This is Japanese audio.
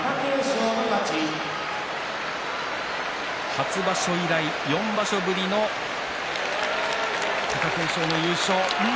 初場所以来４場所ぶりの貴景勝の優勝。